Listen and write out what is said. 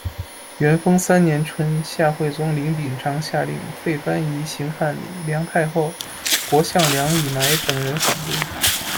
元丰三年春，夏惠宗李秉常下令，废蕃仪，行汉礼，梁太后、国相梁乙埋等人反对。